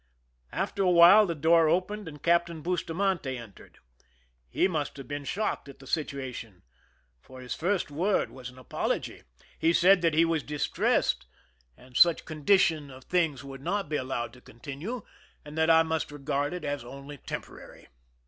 After a while the door opened, and Captain Bus tamante entered. He must have been shocked at the situation, for his first word was an apology. He said that he was distressed, that such a condi 151 THE SINKING OF THE "MERRIMAC" tion of things would not be allowed to continue, and that I must regard it as only temporary.